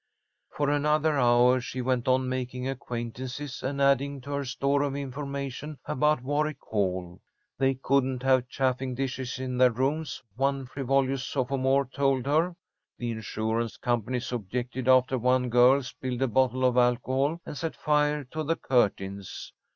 For another hour she went on making acquaintances and adding to her store of information about Warwick Hall. They couldn't have chafing dishes in their rooms, one frivolous sophomore told her. The insurance companies objected after one girl spilled a bottle of alcohol and set fire to the curtains.